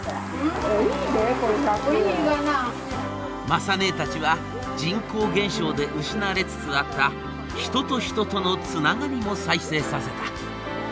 雅ねえたちは人口減少で失われつつあった人と人とのつながりも再生させた。